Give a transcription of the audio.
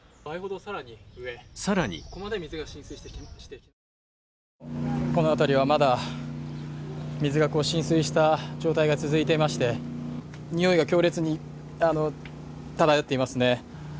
更にこの辺りは、まだ、水が浸水した状態が続いていまして臭いが強烈に漂っていますね。